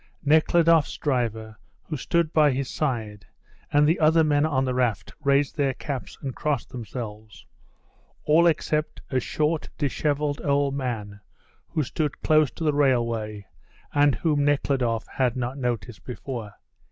Nekhludoff's driver, who stood by his side, and the other men on the raft raised their caps and crossed themselves, all except a short, dishevelled old man, who stood close to the railway and whom Nekhludoff had not noticed before.